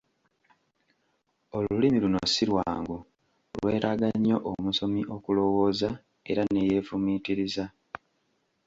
Olulimi luno si lwangu, lwetaaga nnyo omusomi okulowooza era ne yeefumiitiriza.